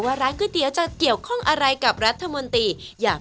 ได้มากินก๋วยเตี๋ยวไก่ในต่างสักทีแล้วครับ